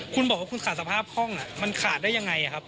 คุณบอกว่าคุณขาดสภาพห้องมันขาดได้ยังไงครับ